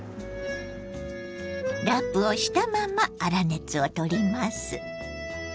ラップをしたまま粗熱を取ります。